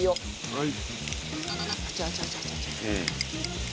はい。